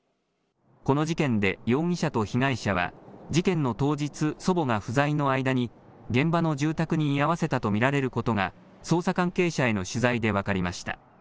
この事件で容疑者と被害者は事件の当日、祖母が不在の間に、現場の住宅に居合わせと見られることが捜査関係者への取材で分かりました。